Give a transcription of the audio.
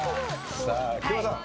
さあ木村さん。